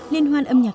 liên hoan âm nhạc